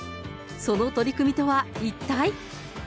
その取り組みとは一体。